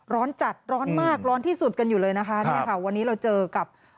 ร้อนจัดร้อนมากร้อนที่สุดกันอยู่เลยนะคะเนี่ยค่ะวันนี้เราเจอกับ